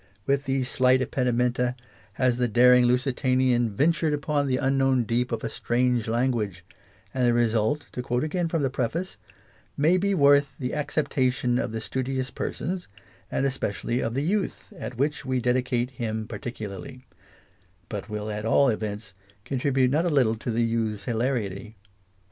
With these slight impedi iv. Introduction. menta has the daring Lusitanian ventured upon the unknown deep of a strange language, and the result, to quote again from the Preface, " May be worth the acceptation of the studious persons, and especially of the Youth, at which we dedicate him particularly," but will at all events contribute not a little to the Youth's hilarity.